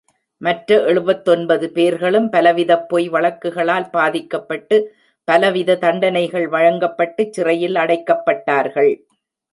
மற்ற எழுபத்தொன்பது பேர்களும் பலவிதப் பொய் வழக்குகளால் பாதிக்கப்பட்டு, பலவித தண்டனைகள் வழங்கப்பட்டுச் சிறையில் அடைக்கப்பட்டார்கள்.